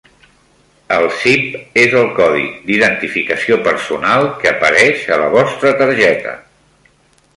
El CIP és el codi d'identificació personal que apareix a la vostra targeta.